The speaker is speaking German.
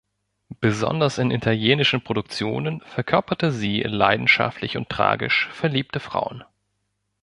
Besonders in italienischen Produktionen verkörperte sie leidenschaftlich und tragisch verliebte Frauen.